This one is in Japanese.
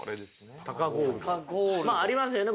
まあありますよね